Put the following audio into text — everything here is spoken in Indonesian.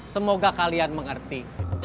semoga kalian mengerti